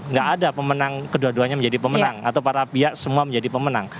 nggak ada pemenang kedua duanya menjadi pemenang atau para pihak semua menjadi pemenang